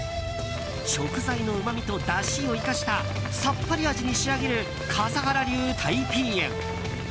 食材のうまみとだしを生かしたさっぱり味に仕上げる笠原流タイピーエン。